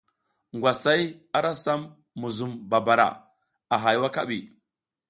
Ngwasay ara sam muzum babara a hay wakaɓi.